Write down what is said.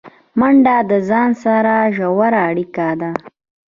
منډه د ځان سره ژوره اړیکه ده